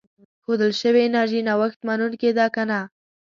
ښودل شوې انرژي نوښت منونکې ده که نه.